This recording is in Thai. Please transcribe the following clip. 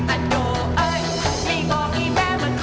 อันโดยไม่บอกไอ้แม่มันขอ